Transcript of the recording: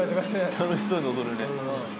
楽しそうに踊るね。